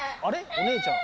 お姉ちゃん。